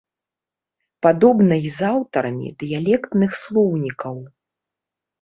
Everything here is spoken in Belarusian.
Падобна й з аўтарамі дыялектных слоўнікаў.